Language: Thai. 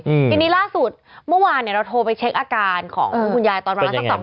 อืมทีนี้ล่าสุดเมื่อวานเนี้ยเราโทรไปเช็คอาการของคุณยายตอนประมาณสักสอง